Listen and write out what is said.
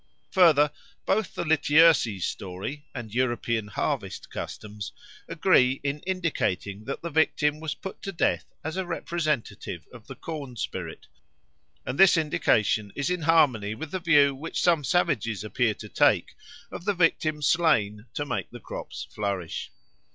Further, both the Lityerses story and European harvest customs agree in indicating that the victim was put to death as a representative of the corn spirit, and this indication is in harmony with the view which some savages appear to take of the victim slain to make the crops flourish.